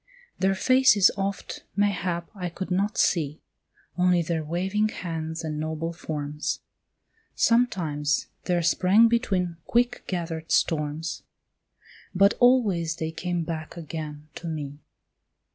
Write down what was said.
Their faces oft, mayhap, I could not see, Only their waving hands and noble forms. Sometimes there sprang between quick gathered storms, But always they came back again to me.